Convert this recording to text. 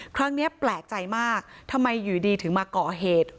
ครั้งนี้แปลกใจมากทำไมอยู่ดีถึงมาก่อเหตุ